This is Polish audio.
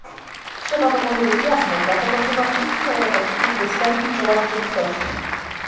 Trzeba to powiedzieć jasno, dlatego wzywam wszystkich Europejczyków, by stawili czoła rzeczywistości